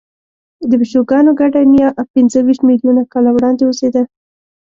د پیشوګانو ګډه نیا پنځهویشت میلیونه کاله وړاندې اوسېده.